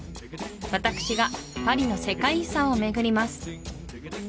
私がパリの世界遺産を巡ります